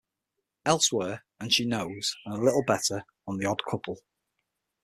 Elsewhere", and "She Knows" and "A Little Better" on "The Odd Couple".